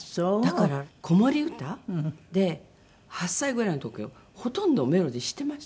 だから子守歌で８歳ぐらいの時はほとんどメロディー知ってました。